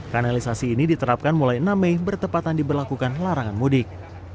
kanalisasi ini diterapkan mulai enam mei bertepatan diberlakukan larangan mudik